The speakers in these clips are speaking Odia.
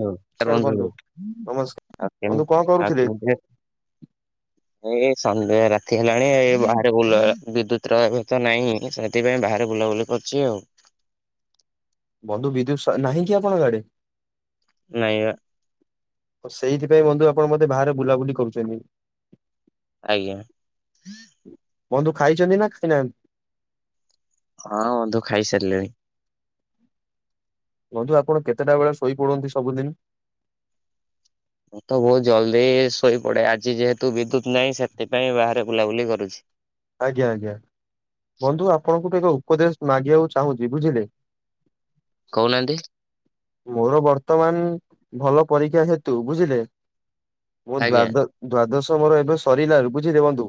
ହଁ [unintelligible] [unintelligible] ନମସ୍କାର ସନ୍ଧ୍ୟା ବନ୍ଧୁ ନମସ୍କାର ବନ୍ଧୁ କଣ କରୁଥିଲେ? ରାତି ହେଲାଣି ଏ ବାହାରେ ବୁ ବିଦ୍ୟୁତ ର ଏ ତ ନାହିଁ ସେଥିପାଇଁ ବାହାରେ ବୁଲାବୁଲି କ ଅଛି ଆଉ। [inaudible] ବନ୍ଧୁ ବିଦୁ ନାହିଁ କି ଆପଣଙ୍କ ଗାଡି? ନାଇଁ ପା। ସେଇଥିପାଇଁ ବନ୍ଧୁ ଆପଣ ମତେ ବାହାରେ ବୁଲାବୁଲି କରୁଛନ୍ତି। ଆଜ୍ଞା। ବନ୍ଧୁ ଖାଇଛନ୍ତି ନା ଖାଇନାହାନ୍ତି? ହଁ ବନ୍ଧୁ ଖାଇ ସାରିଲିଣି। ବନ୍ଧୁ ଆପଣ କେତେଟା ବେଳେ ଶୋଇପଡନ୍ତି ସବୁଦିନ? ମୁଁ ତ ବହୁତ ଜଲଦି ଶୋଇପଡେ ଆଜି ଯେହେତୁ ବିଦ୍ୟୁତ ନାହିଁ ସେଥିପାଇଁ ବାହାରେ ବୁଲାବୁଲି କରୁଛି। ଆଜ୍ଞା ଆଜ୍ଞା ବନ୍ଧୁ ଆପଣଙ୍କୁ [unintelligible] ଉପଦେଶ ମାଗିବାକୁ ଚାହୁଁଛି ବୁଝିଲେ? କହୁନାହାନ୍ତି? ମୋର ବର୍ତ୍ତମାନ ଭଲ ପରୀକ୍ଷା ହେତୁ ବୁଝିଲେ? ମୁଁ ଆଜ୍ଞା ଦ୍ଵାଦ ଦ୍ଵାଦଶ ମୋର ଏବେ ସରିଲା ବେଳକୁ ବୁଝିଲେ ବନ୍ଧୁ?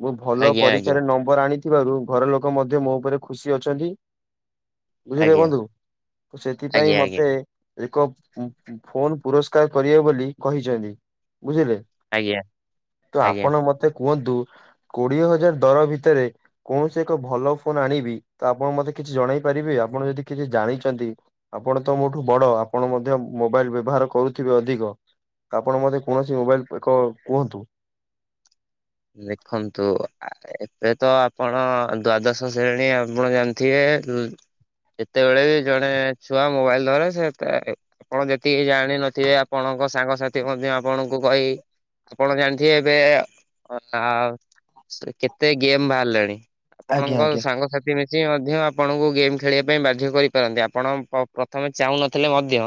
ମୁଁ ଭଲ ଆଜ୍ଞା ଆଜ୍ଞା ପରୀକ୍ଷାରେ ନମ୍ବର ଆଣିଥିବାରୁ ଘର ଲୋକ ମଧ୍ୟ ମୋ ଉପରେ ଖୁସି ଅଛନ୍ତି। ବୁଝିଲେ ଆଜ୍ଞା ବନ୍ଧୁ ତ ସେଥିପାଇଁ ଆଜ୍ଞା ଆଜ୍ଞା ମତେ ଏକ ଫୋନ ପୁରସ୍କାର କରିବେ ବୋଲି କହିଛନ୍ତି। ବୁଝିଲେ ଆଜ୍ଞା ତ ଆଜ୍ଞା ଆପଣ ମତେ କୁହନ୍ତୁ କୋଡିଏ ହଜାର ଦର ଭିତରେ କୌଣସି ଏକ ଭଲ ଫୋନ ଆଣିବି ତ ଆପଣ ମତେ କିଛି ଜଣେଇ ପାରିବେ ଆ ଆପଣ ଯଦି କିଛି ଜାଣିଛନ୍ତି ଆପଣ ତ ମୋଠୁ ବଡ ଆପଣ ମଧ୍ୟ ମୋବାଇଲ ବ୍ୟବହାର କରୁଥିବେ ଅଧିକ। ଆପଣ ମୋତେ ତ ଏବେ ତ ଆପଣ ଦ୍ଵାଦଶ ଶ୍ରେଣୀ ଆପଣ ଜାଣିଥିବେ। ଯେତେବେଳେ ବି ଜଣେ ଛୁଆ ମୋବାଇଲ ଧରେ ସେ ତେ ଏ ଆପଣ ଯେତିକି ଜାଣିନଥିବେ ଆପଣ ଙ୍କ ସାଙ୍ଗସାଥି ମଧ୍ୟ ଆପଣଙ୍କୁ କହି ଆପଣ ଜାଣିଥିବେ ଏବେ ଅନା ଆଉ କେତେ ଗେମ୍ ବାହାରିଲାଣି ଆଜ୍ଞା ଆପଣଙ୍କ ଆଜ୍ଞା ସାଙ୍ଗସାଥି ମିଶି ମ ମଧ୍ୟ ଆପଣଙ୍କୁ ଗେମ୍ ଖେଳିବା ପାଇଁ ବାଧ୍ୟ କରିପାରନ୍ତି ଆପଣ ପ-ପ୍ରଥମେ ଚାହୁଁନଥିଲେ ମଧ୍ୟ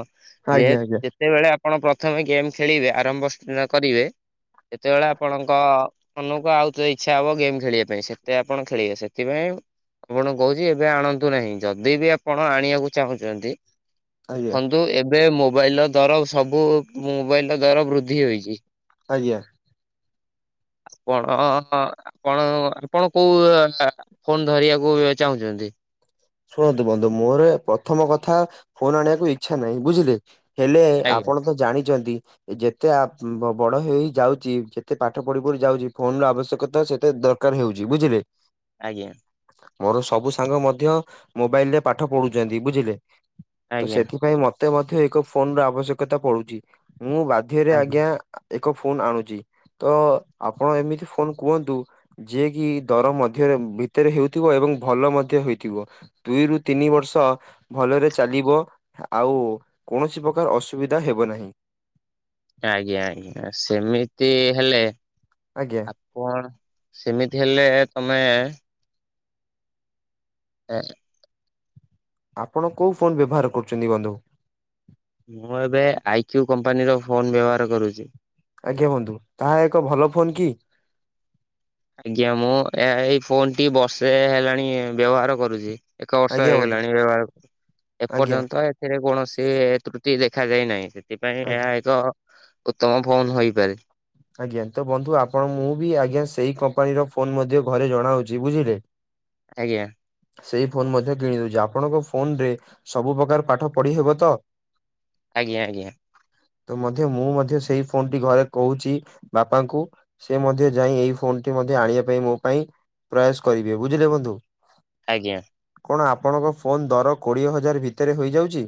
ଆଜ୍ଞା ଆଜ୍ଞା ଯେତ୍-ଯେତେବେଳେ ଆ ଆପଣ ପ୍ରଥମେ ଗେମ୍ ଖେଳିବେ ଆରମ୍ଭ କରିବେ ଯେତେବେଳେ ଆପଣଙ୍କ ମନକୁ ଆଉ ତ ଇଚ୍ଛା ହବ ଗେମ୍ ଖେଳିବା ପାଇଁ ସେତେ ଆପଣ ଖେଳିବେ ସେଥିପାଇଁ ଆପଣଙ୍କୁ କହୁଛି ଏବେ ଆଣନ୍ତୁ ନାହିଁ ଯଦି ବି ଆପଣ ଆଣିବାକୁ ଚାହୁଁଛନ୍ତି। ଆଜ୍ଞା ଦେଖନ୍ତୁ ଏବେ ମୋବାଇଲ ର ଦର ସବୁ ମୋବାଇଲ ର ଦର ବୃଦ୍ଧି ହୋଇଛି। ଆଜ୍ଞା। ଆପଣ ଆପଣ ଆପଣ କୋଉ ଫୋନ ଧରିବାକୁ ଚାହୁଁଛନ୍ତି? ଶୁଣନ୍ତୁ ବନ୍ଧୁ ମୋର ପ୍ରଥମ କଥା ଫୋନ ଆଣିବାକୁ ଇଚ୍ଛା ନାହିଁ ବୁଝିଲେ। ହେଲେ ଆଜ୍ଞା ଆପଣ ତ ଜାଣିଛନ୍ତି। ଯେତେ ଆପ ବ-ବଡ ହେଇ ହେଇ ଯାଉଛି ଯେତେ ପାଠ ପଢି ପଢି ଯାଉଛି ଫୋନ ର ଆବଶ୍ୟକତା ସେତେ ଦରକାର ହଉଛି ବୁଝିଲେ। ଆଜ୍ଞା। ମୋର ସବୁ ସାଙ୍ଗ ମଧ୍ୟ ମୋବାଇଲ ରେ ପାଠ ପଢୁଛନ୍ତି ବୁଝିଲେ ତ ଆଜ୍ଞା ସେଥିପାଇଁ ମୋ ମତେ ମଧ୍ୟ ଏକ ଫୋନର ଆବଶ୍ୟକତା ପଡୁଛି ମୁଁ ବାଧ୍ୟରେ ଆଜ୍ଞା ଏକ ଫୋନ୍ ଆଣୁଚି। ତ ଆପଣ ଏମିତି ଫୋନ କୁହନ୍ତୁ ଯିଏ କି ଦର ମଧ୍ୟରେ ଭିତରେ ହେଉଥିବ ଏବଂ ଭଲ ମଧ୍ୟ ହୋଇଥିବ। ଦୁଇରୁ ତିନି ବର୍ଷ ଭଲରେ ଚାଲିବ ଆଉ କୌଣସି ପ୍ରକାର ଅସୁବି ଧା ହେବ ନାହିଁ। ଆଜ୍ଞା ଆଜ୍ଞା ସେମିତି ହେଲେ ଆଜ୍ଞା ଆପଣ ସେମିତି ହେଲେ ତମେ ଏ। ଆପଣ କୋଉ ଫୋନ୍ ବ୍ୟବହାର କରୁଛନ୍ତି ବନ୍ଧୁ? ମୁଁ ଏବେ ଆଇକ୍ୟୁ କମ୍ପାନୀର ଫୋନ ବ୍ୟବହାର କରୁଚି। ଆଜ୍ଞା ବନ୍ଧୁ ତାହା ଏକ ଭଲ ଫୋନ୍ କି? ଆଜ୍ଞା ମୁଁ ଏ ଏଇ ଫୋନ ଟି ବର୍ଷେ ହେଲାଣି ବ୍ୟବହାର କରୁଚି। ଏକ ବର୍ଷ ଆଜ୍ଞା ବନ୍ଧୁ ହେଇଗଲାଣି ବ୍ୟବହାରକୁ ଆଜ୍ଞା ଏପର୍ଯ୍ୟନ୍ତ ଏଥିରେ କୌଣସି ତ୍ରୁ ଟି ଦେଖାଯାଇନାହିଁ। ସେଥିପାଇଁ ଆଜ୍ଞା। ଏହା ଏକ ଉତ୍ତମ ଫୋନ ହୋଇପାରେ। ଆଜ୍ଞା ତ ବନ୍ଧୁ ଆପଣ ମୁଁ ବି ଆଜ୍ଞା ସେଇ କମ୍ପାନୀର ଫୋନ୍ ମଧ୍ୟ ଘରେ ଜଣାଉଛି ବୁଝିଲେ ଆଜ୍ଞା। ସେଇ ଫୋନ ମଧ୍ୟ କିଣିଦଉଛି। ଆପଣଙ୍କ ଫୋନ ରେ ସବୁ ପ୍ରକାର ପାଠ ପଢି ହେବ ତ? ଆଜ୍ଞା ଆଜ୍ଞା। ତ ମଧ୍ୟ ମୁଁ ମଧ୍ୟ ସେଇ ଫୋନ ଟି ଘରେ କହୁଛି ବାପାଙ୍କୁ ସେ ମଧ୍ୟ ଯାଇ ଏଇ ଫୋନ ଟି ମଧ୍ୟ ଆଣିବା ପାଇଁ ମୋ ପାଇଁ ପ୍ରୟାସ କରିବେ ବୁଝିଲେ ବନ୍ଧୁ। ଆଜ୍ଞା। କଣ ଆପଣଙ୍କ ଫୋନ୍ ଦର କୋଡ଼ିଏ ହଜାର ଭିତରେ ହୋଇଯାଉଛି?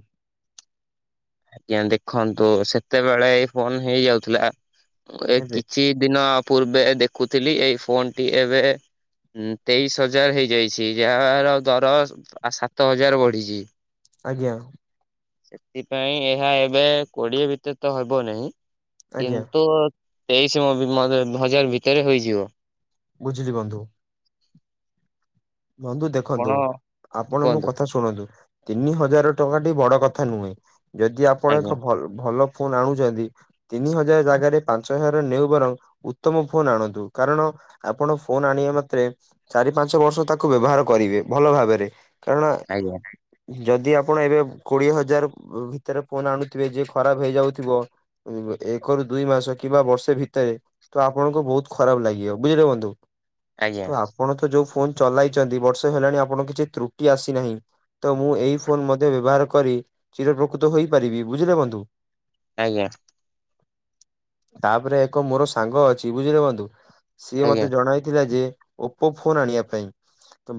ଆଜ୍ଞା ଦେଖନ୍ତୁ ସେତେବେଳେ ଏ ଫୋନ ହେଇଯାଉଥିଲା। ଏ ଏବେ କିଛି ଦିନ ପୂର୍ବେ ଦେଖୁଥିଲି ଏଇ ଫୋନ ଟି ଏବେ ତେଇଶି ହଜାର ହେଇଯାଇଛି। ଯାହାର ଦର ଆ ସାତ ହଜାର ବଢିଛି। ଆଜ୍ଞା। ସେଥିପାଇଁ ଏହା ଏବେ କୋଡିଏ ଭିତରେ ତ ହେବ ନାହିଁ। ଆଜ୍ଞା କିନ୍ତୁ ତେଇଶ [unintelligible] ହଜାର ଭିତରେ ହୋଇଯିବ। ବୁଝିଲି ବନ୍ଧୁ। ବନ୍ଧୁ ଦେଖନ୍ତୁ ଆପଣ ଆପଣ ମୋ କୁହନ୍ତୁ କଥା ଶୁଣନ୍ତୁ। ତିନି ହଜାର ଟଙ୍କାଟି ବଡ କଥା ନୁହେଁ। ଯଦି ଆପଣ ଏକ ଆଜ୍ଞା ଭ-ଭଲ ଫୋନ୍ ଆଣୁଛନ୍ତି ତିନି ହଜାର ଜାଗାରେ ପାଞ୍ଚ ହଜାର ନେଉ ବରଂ ଉତ୍ତମ ଫୋନ ଆଣନ୍ତୁ। କାରଣ ଆପଣ ଫୋନ ଆଣିବା ମାତ୍ରେ ଚାରି ପାଞ୍ଚ ବର୍ଷ ତା ବ୍ୟବହାର କରିବେ ଭଲ ଭାବରେ କାରଣ ଆଜ୍ଞା ଯଦି ଆପଣ ଏବେ କୋଡିଏ ହଜାର ଭିତରେ ଫୋନ ଆଣୁଥିବେ ଯେ ଖରାପ ହେଇଯାଉଥିବ ଏକ ର ଦୁଇ ମାସ କିମ୍ବା ବର୍ଷେ ଭିତରେ ତ ଆପଣଙ୍କୁ ବହୁତ ଖରାପ ଲାଗିବ ବୁଝିଲେ ବନ୍ଧୁ। ତ ଆଜ୍ଞା ଆପଣ ତ ଯୋଉ ଫୋନ ଚଲାଇଛନ୍ତି ବର୍ଷେ ହେଲାଣି ଆପଣଙ୍କ କିଛି ତ୍ରୁଟି ଆସିନାହିଁ। ତ ମୁଁ ଏଇ ଫୋନ ମଧ୍ୟ ବ୍ୟବହାର କରି ଚିର ପ୍ରକୃତ ହେଇପାରିବି ବୁଝିଲେ ବନ୍ଧୁ। ଆଜ୍ଞା। ତାପରେ ଏକ ମୋର ସାଙ୍ଗ ଅଛି ବୁଝିଲେ ବନ୍ଧୁ। ସିଏ ଆଜ୍ଞା ମତେ ଜଣାଇଥିଲା ଯେ ଓପୋ ଫୋନ ଆଣିବା ପାଇଁ।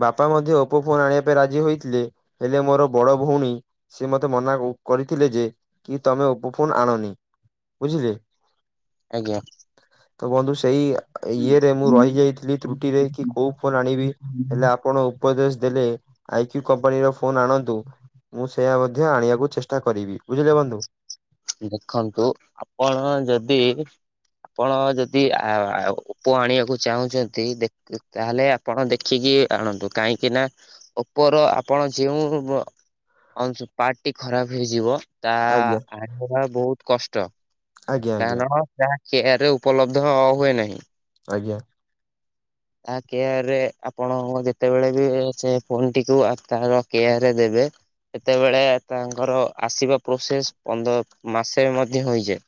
ବାପା ମଧ୍ୟ ଓପୋ ଫୋନ ଆଣିବା ପାଇଁ ରାଜି ହୋଇଥିଲେ। ହେଲେ ମୋର ବଡ ଭଉଣୀ ସିଏ ମତେ ମନା କରି କରିଥିଲେ ଯେ କି ତମେ ଓପୋ ଫୋନ ଆଣନି। ବୁଝିଲେ ଓ ଆଜ୍ଞା। ତ ବନ୍ଧୁ ସେଇ ଇଏରେ ମୁଁ ରହିଯାଇଥିଲି ତ୍ରୁଟିରେ କି କୋଉ ଫୋନ ଆଣିବି। ହେଲେ ଆପଣ ଉପଦେଶ ଦେଲେ ଆଇକ୍ୟୁ କମ୍ପାନୀର ଫୋନ ଆଣନ୍ତୁ ମୁଁ ସେୟା ମଧ୍ୟ ଆଣିବାକୁ ଚେଷ୍ଟା କରିବି ବୁଝିଲେ ବନ୍ଧୁ। ଦେଖନ୍ତୁ ଆପଣ ଯଦି ଆପଣ ଯଦି ଆ ଓପୋ ଆଣିବାକୁ ଚାହୁଁଛନ୍ତି ତାହେଲେ ଆପଣ ଦେଖିକି ଏଆରଣନ୍ତୁ କାହିଁକି ନା ଉପର ଆପଣ ଯେଉଁ ବ ଅଂଶୁ ପା ଟି ଖରାପ ହେଇଯିବ ତା ଆଜ୍ଞା ଆଣିବା ବହୁତ କଷ୍ଟ ଆଜ୍ଞା ଆଜ୍ଞା। କାରଣ ଯା ଚେୟାର ରେ ଉପଲବ୍ଧ ହୁଏ ନାହିଁ। ଆଜ୍ଞା। ତା କେୟାରରେ ଆପଣ ଯେତେବେଳେ ବି ସେ ଫୋନ ଟିକୁ ତାର କେୟାରରେ ଦେବେ ସେତେବେଳେ ତାଙ୍କର ଆସିବା ପ୍ରୋସେସ ପନ୍ଦର ମାସେ ମଧ୍ୟ ହୋଇଯାଏ।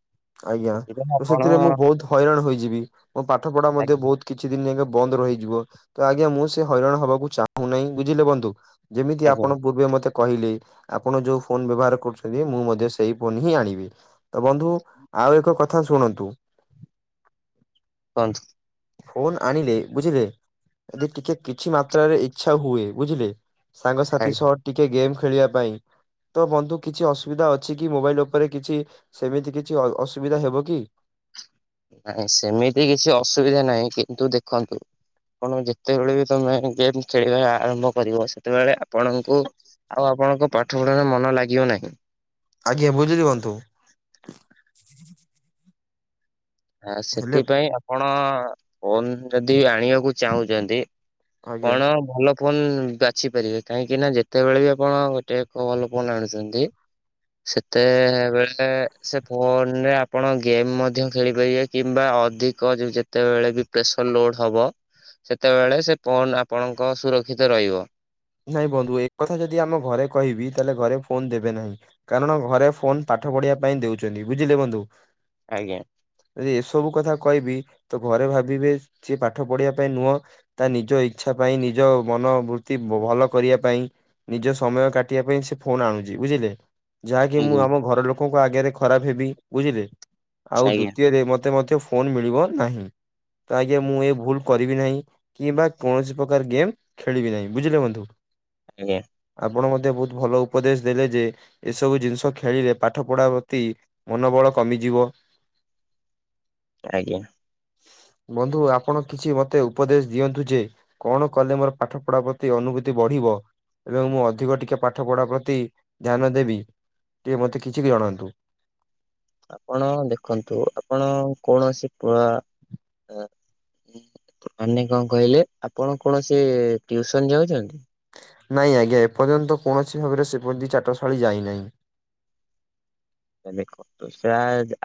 ଆଜ୍ଞା ସେଥିପାଇଁ ଆପଣ ସେଥିରେ ମୁଁ ବହୁତ ହଇରାଣ ହୋଇଯିବି। ମୋ ପାଠ ପଢା ମଧ୍ୟ ଆଜ୍ଞା ବହୁତ କିଛି ଦିନ ଏକା ବନ୍ଦ ରହିଯିବ ତ ଆଜ୍ଞା ମୁଁ ସେ ହଇରାଣ ହବାକୁ ଚାହୁଁ ନାହିଁ। ବୁଝିଲେ ବନ୍ଧୁ? ଯେମିତି ଆଜ୍ଞା ଆପଣ ପୂର୍ବେ ମତେ କହିଲି ଆପଣ ଯୋଉ ଫୋନ ବ୍ୟବହାର କରୁଛନ୍ତି ମୁଁ ମଧ୍ୟ ସେଇ ଫୋନ ହିଁ ଆଣିବି। ତ ବନ୍ଧୁ ଆଉ ଏକ କଥା ଶୁଣନ୍ତୁ। କହନ୍ତୁ। ଫୋନ ଆଣିଲେ ବୁଝିଲେ ଯଦି ଟିକେ କିଛି ମାତ୍ରାରେ ଇଚ୍ଛା ହୁଏ ବୁଝିଲେ। ସାଙ୍ଗସାଥି ଆଜ୍ଞା ସହ ଟିକେ ଗେମ୍ ଖେ ଖେଳିବା ପାଇଁ ତ ବନ୍ଧୁ କିଛି ଅସୁବିଧା ଅଛି କି ମୋବାଇଲ ଉପରେ କିଛି ସେମିତି କି କିଛି ଅସୁବିଧା ହେବ କି? ନାଇଁ ସେମିତି କିଛି ଅସୁବିଧା ନାହିଁ କିନ୍ତୁ ଦେଖନ୍ତୁ କଣ ଯେତେବେଳେ ବି ତମେ ଗେମ୍ ଖେଳିବା ଆରମ୍ଭ କରିବ ସେ ସେତେବେଳେ ଆପଣଙ୍କୁ ଆଉ ଆପଣଙ୍କ ପାଠ ପଢାରେ ମନ ଲାଗିବ ନାହିଁ। ଆଜ୍ଞା ବୁଝି ଦିଅନ୍ତୁ। [inaudible] ଆ ହେଲେ ସେଥିପାଇଁ ଆପଣ ଫୋନ୍ ଯଦି ଆଣିବାକୁ ଚାହୁଁଛନ୍ତି। ଆଜ୍ଞା କଣ ଭଲ ଫୋନ୍ ବାଛି ପାରିବେ କାହିଁକି ନା ଯେତେବେଳେ ବି ଆପଣ ଗୋଟେ ଏକ ଭଲ ଫୋନ୍ ଆଣୁଛନ୍ତି। ସେତେବେଲେ ସେ ଫୋନ୍ ରେ ଆପଣ ଗେମ୍ ମଧ୍ୟ ଖେଳିପାରିବା କିମ୍ବା ଅଧିକ ଯେତେବେଳେ ବି ପ୍ରେସର ଲୋଡ ହବ ସେତେବେଳେ ସେ ପୋନ ଆପଣଙ୍କ ସୁରକ୍ଷିତ ରହିବ। ନାଇଁ ବନ୍ଧୁ ଏକଥା ଯଦି ଆମ ଘରେ କହିବି ତାହେଲେ ଘରେ ଫୋନ୍ ଦେବେ ନାହିଁ କାରଣ ଘରେ ଫୋନ ପା ଠ ପଢିବା ପାଇଁ ଦେଉଛନ୍ତି ବୁଝିଲେ ବନ୍ଧୁ? ଆଜ୍ଞା। ଯି ଏସବୁ କଥା କହିବି ତ ଘରେ ଭାବିବେ ସିଏ ପାଠ ପଢିବା ପାଇଁ ନୁହଁ ତା ନିଜ ଇଚ୍ଛା ପାଇଁ ନିଜ ମନବୂତ୍ତି ଭଲ କରିବା ପାଇଁ, ନିଜ ସମୟ କାଟିବା ପାଇଁ, ସେ ଫୋନ ଆଣୁଛି ବୁଝିଲେ। ଯାହାକି ମୁଁ ଆଜ୍ଞା ଆମ ଘର ଲୋକଙ୍କ ଆଗରେ ଖରାପ ହେବି ବୁଝିଲେ। ଆଉ ଆଜ୍ଞା ଦ୍ଵିତୀୟରେ ମ ମତେ ମଧ୍ୟ ଫୋନ୍ ମିଳିବ ନାହିଁ। ତ ଆଜ୍ଞା ମୁଁ ଏ ଭୁଲ କରିବି ନାହିଁ କିମ୍ବା କୌଣସି ପ୍ରକାର ଗେମ୍ ଖେଳିବି ନାହିଁ। ବୁଝିଲେ ବନ୍ଧୁ? ଆଜ୍ଞା। ଆପଣ ମଧ୍ୟ ବହୁତ ଭଲ ଉପଦେଶ ଦେଲେ ଯେ ଏସବୁ ଜିନିଷ ଖେଳିଲେ ପାଠ ପଢା ପ୍ରତି ମନୋବଳ କମିଯିବ [inaudible] ଆଜ୍ଞା। ବନ୍ଧୁ ଆପଣ କିଛି ମତେ ଉପଦେଶ ଦିଅନ୍ତୁ ଯେ କଣ କଲେ ମୋର ପାଠ ପଢା ପ ତି ଅନୁଭୂତି ବଢିବ ଏବଂ ମୁଁ ଅଧିକ ଟିକେ ପାଠ ପଢା ପ୍ରତି ଧ୍ୟାନ ଦେବି। ଟିକେ, ମତେ କିଛି ବି ଜଣାନ୍ତୁ। ଆପଣ ଦେଖନ୍ତୁ ଆପଣ କୌଣସି ପ ମାନେ କଣ କହିଲେ ଆପଣ କୌଣସି ଟୁସନ ଯାଉଛନ୍ତି? ନାଇଁ ଆଜ୍ଞା ଏପର୍ଯ୍ୟନ୍ତ କୌଣସି ଭାବରେ ସେପତି ଚାଟଶାଳୀ ଯାଇନାହିଁ। [inaudible] ଦେଖନ୍ତୁ ସେ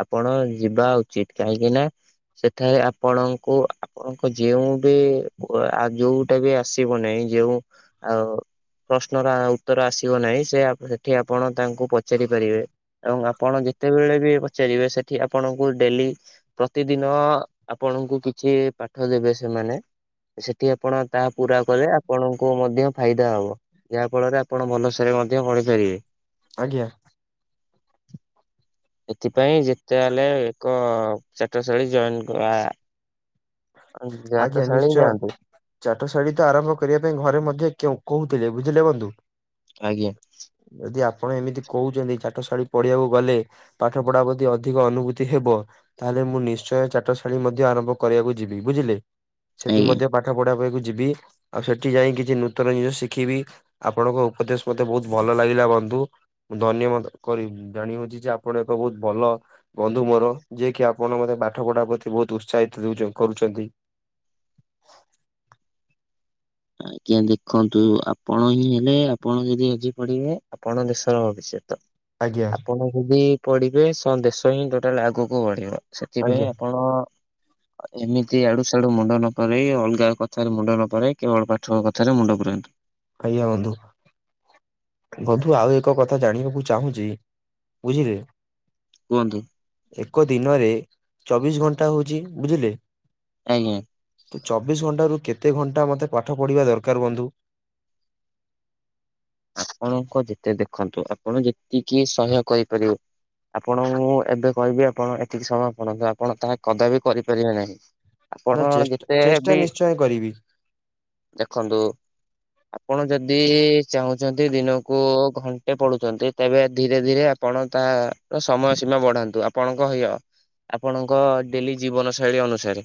ଆପଣ ଯିବା ଉଚିତ କାହିଁକି ନା, ସେଠାରେ ଆପଣଙ୍କୁ ଆପଣଙ୍କ ଯେଉଁ ବି ଯୋଉଟା ବି ଆସିବ ନାହିଁ ଯେଉଁ ଆଉ ପ୍ରଶ୍ନର ଆ ଉତ୍ତର ଆସିବ ନାହିଁ, ସେ ଆପ ଏଠି ଆପଣ ତାଙ୍କୁ ପଚାରି ପାରିବେ ଏବଂ ଆପଣ ଯେତେବେଳେ ବି ପଚାରିବେ, ସେଠି ଆପଣଙ୍କୁ ଡେଲି ପ୍ରତିଦିନ ଆପଣ ଙ୍କୁ କିଛି ପାଠ ଦେବେ ସେମାନେ, ସେଠି ଆପଣ ତାହା ପୁରା କଲେ, ଆପଣଙ୍କୁ ମଧ୍ୟ ଫାଇଦା ହବ ଯାହା ଫଳରେ ଆପଣ ଭଲ [unintelligible] [unintelligible] ପାରିବେ ଆଜ୍ଞା। ଏଥିପାଇଁ ଯେତେ ହେଲେ, ଏକ ଚାଟଶୈଳୀ ଜଏନ କ ଆ ଆଜ୍ଞା! ଚାଟଶାଳୀ ନିଶ୍ଚୟ ଯାଆନ୍ତୁ। ଚାଟଶାଳୀ ତ ଆରମ୍ଭ କରିବା ପାଇଁ ଘରେ ମଧ୍ୟ କେଉଁ କୋଉ [unintelligible] ବୁଝିଲେ ବନ୍ଧୁ। ଆଜ୍ଞା। କଣ ଏମିତି କହୁଛନ୍ତି, ଚାଠଶାଳୀ ପଢିବାକୁ ଗଲେ ପାଠ ପଢା ପ୍ରତି ଅଧିକ ଅନୁଭୂତି ହେବ, ତାହେଲେ ମୁଁ ନିଶ୍ଚୟ ଚାଟଶାଳୀ ମଧ୍ୟ ଆରମ୍ଭ କରିବାକୁ ଯିବି ବୁଝିଲେ, ସେଠି ଆଜ୍ଞା ମଧ୍ୟ ପାଠ ପଢା ପାଇଁ ଯିବି ଆଉ ସେଠି ଯାଇଁ କିଛି ନୂତନ ଜିନିଷ ଶିଖିବି, ଆପଣଙ୍କ ଉପଦେଶ ମତେ ବହୁତ ଭଲ ଲାଗିଲା ବ ନ୍ଧୁ ମୁଁ ଧନ୍ୟମନ କରି ଜାଣିହଉଛି, ଯେ ଆପଣ ଏକ ବହୁତ ଭଲ ବନ୍ଧୁ ମୋର ଯିଏକି ଆପଣ ମୋତେ ପାଠ ପଢା ପ୍ରତି ବହୁତ ଉତ୍ସାହିତ ଦଉଛ କରୁଛନ୍ତି। ଆଜ୍ଞା! ଦେଖନ୍ତୁ ଆପଣ ହିଁ ହେଲେ ଆପଣ ଯଦି ଆଜି ପଢିବେ ଆପଣ ଦେଶର ଭବିଷ୍ୟତ। ତ ଆଜ୍ଞା ଆପଣ [inaudible] ଯଦି ପଢିବେ, [unintelligible] ଦେଶ ହିଁ ଟୋଟାଲ ଆଗକୁ ବଢିବ। ସେଥିପାଇଁ ଆଜ୍ଞା ଆପଣ ଏମିତି ଆଡୁ ସାଡୁ ମୁଣ୍ଡ ନପୁରାଇ ଅଲଗା କଥାରେ ମୁଣ୍ଡ ନପୁରାଇ କେବଳ ପାଠ କଥାରେ ମୁଣ୍ଡ ପୁରାନ୍ତୁ ଆଜ୍ଞା ବନ୍ଧୁ। ବଧୁ ଆଉ ଏକ କଥା ଜାଣିବାକୁ ଚାହୁଁଛି, ବୁଝିଲେ କୁହନ୍ତୁ? ଏକ ଦିନରେ ଚବିଶ ଘଣ୍ଟା ହଉଛିି, ବୁଝିଲେ ଆଜ୍ଞା! ତ ଚବିଶ ଘଣ୍ଟା ରୁ, କେତେ ଘଣ୍ଟା ମତେ ପାଠ ପଢିବା ଦରକାର ବନ୍ଧୁ? ଆପଣଙ୍କ ଯେତେ ଦେଖନ୍ତୁ ଆପଣ ଯେତିକି ସହ୍ୟ କରିପାରିବେ ଆପଣ ମୁଁ ଏବେ କହିବି, ଆପଣ ଏତିକି ସମୟ ପଢନ୍ତୁ ଆପଣ ତାହା କଦା ବିି କରିପାରିବେ ନାହିଁ। ଆପଣ ନା ଚେଷ୍ଟା ଯେତେ ଚେଷ୍ଟା ବି, ନିଶ୍ଚୟ କରିବି ଦେଖନ୍ତୁ ଆପଣ ଯଦି ଚାହୁଁଛନ୍ତି ଦିନକୁ ଘଣ୍ଟେ ପଢ଼ୁଛନ୍ତି, ତେବେ ଧୀରେ ଧୀରେ ଆପଣ ତା ର ସମୟ ସୀ ମା ବଢାନ୍ତୁ ଆପଣଙ୍କ ହିୟ ଆପଣଙ୍କ ଡେଲି ଜୀବନ ଶୈଳୀ ଅନୁସାରେ।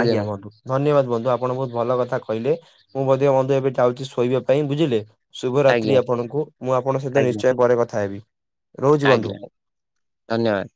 ଆଜ୍ଞା ବନ୍ଧୁ ଧନ୍ୟବାଦ ବନ୍ଧୁ ଆପଣ ବହୁତ ଭଲ କଥା କହିଲେ ମୁଁ ମଧ୍ୟ ବନ୍ଧୁ ଏବେ ଟିକ୍ କେ ଯାଉଛି ଶୋଇବା ପାଇଁ ବୁଝିଲେ। ଶୁଭରାତ୍ରି ଆଜ୍ଞା ଆପଣଙ୍କୁ ମୁଁ ଆପଣଙ୍କ ସହିତ ଆଜ୍ଞା ନିଶ୍ଚୟ ପରେ କଥା ହେବି ରହୁଛି ବନ୍ଧୁ। ଆଜ୍ଞା ଧନ୍ୟବାଦ।